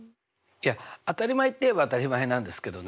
いや当たり前っていえば当たり前なんですけどね